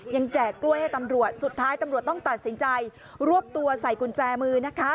แจกกล้วยให้ตำรวจสุดท้ายตำรวจต้องตัดสินใจรวบตัวใส่กุญแจมือนะคะ